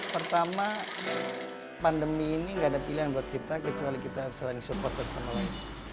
pertama pandemi ini tidak ada pilihan buat kita kecuali kita bisa saling support bersama lain